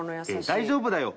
「大丈夫だよ！